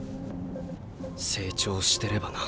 成長してればな。